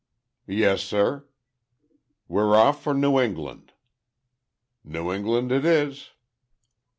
"Yes, sir." "We're off for New England." "New England it is."